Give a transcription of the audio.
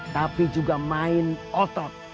tapi juga main otot